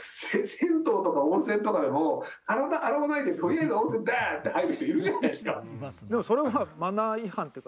銭湯とか温泉とかでも体洗わないでとりあえず温泉にダーンって入る人いるじゃないですか。